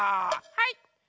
はい。